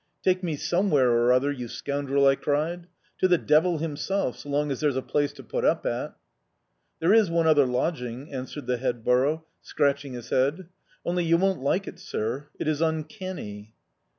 "Take me somewhere or other, you scoundrel!" I cried; "to the devil himself, so long as there's a place to put up at!" "There is one other lodging," answered the headborough, scratching his head. "Only you won't like it, sir. It is uncanny!"